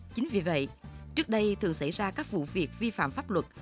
chính vì vậy trước đây thường xảy ra các vụ việc vi phạm pháp luật